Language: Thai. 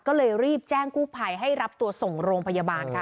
ก็เลยรีบแจ้งกู้ภัยให้รับตัวส่งโรงพยาบาลค่ะ